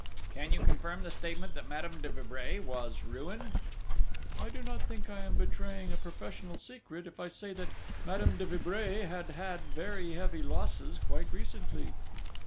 "Can you confirm the statement that Madame de Vibray was ruined?" "I do not think I am betraying a professional secret if I say that Madame de Vibray had had very heavy losses quite recently."